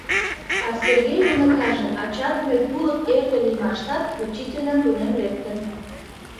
А Сергей уныкаже ачадыме тулык эрге лиймаштат учительлан тунем лектын.